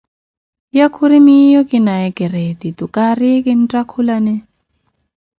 Ye khuri miyo kinaye keretitu, kariye kittakhulane.